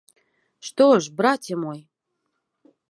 Што ж, браце мой?